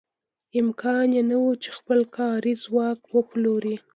امکان یې نه و چې خپل کاري ځواک وپلوري.